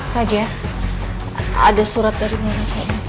raja ada surat dari mona